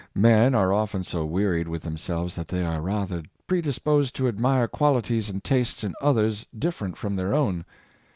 *" Men are often so wearied with themselves that they are rather predis posed to admire qualities and tastes in others different from their own.